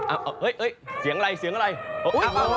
โอ้โหโอ้โหโอ้โห